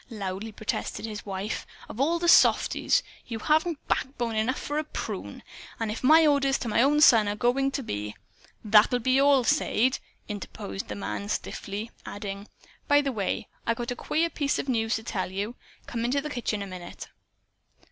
loudly protested his wife. "Of all the softies! You haven't backbone enough for a prune. And if my orders to my own son are going to be " "That'll be all, Sade!" interposed the man stiffly adding: "By the way, I got a queer piece of news to tell you. Come into the kitchen a minute."